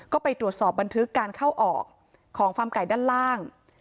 ก็ไปตรวจสอบบันทึกการเข้าออกของฟาร์มไก่ด้านล่าง